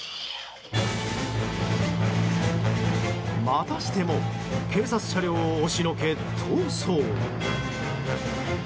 またしても警察車両を押しのけ逃走。